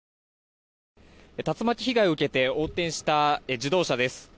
竜巻被害を受けて横転した自動車です。